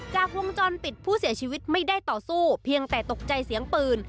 จากวงจรปิดผู้เสียชีวิตไม่ได้ต่อสู้เพียงแต่ตกใจเสียงปืน